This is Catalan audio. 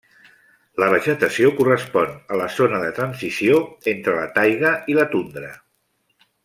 La vegetació correspon a la zona de transició entre la taigà i la tundra.